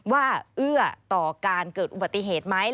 เอื้อต่อการเกิดอุบัติเหตุไหม